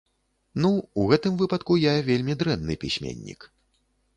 Ну, у гэтым выпадку я вельмі дрэнны пісьменнік.